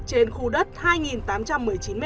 trên khu đất hai tám trăm một mươi chín m hai